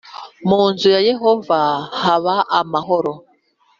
mu nzu ya Yehova haba amahoro